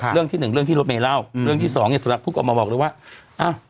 เรื่องที่๑เรื่องที่ลดไม่เล่าเรื่องที่๒น่าสมักพูดเขาเอามาบอกเลยว่า